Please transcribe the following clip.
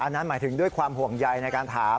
นั่นหมายถึงด้วยความห่วงใยในการถาม